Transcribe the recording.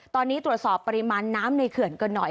ตอนนี้ตรวจสอบปริมาณน้ำในเขื่อนกันหน่อย